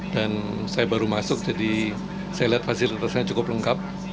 dan saya baru masuk jadi saya lihat fasilitasnya cukup lengkap